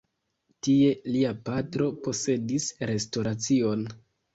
Tie lia patro posedis restoracion.